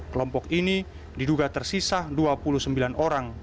kelompok ini diduga tersisa dua puluh sembilan orang